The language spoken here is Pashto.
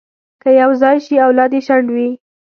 که یو ځای شي، اولاد یې شنډ وي.